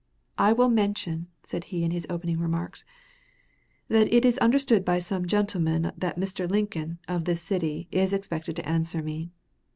"I will mention," said he, in his opening remarks, "that it is understood by some gentlemen that Mr. Lincoln, of this city, is expected to answer me.